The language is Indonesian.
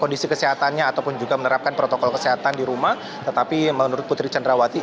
kondisi kesehatannya ataupun juga menerapkan protokol kesehatan di rumah tetapi menurut putri candrawati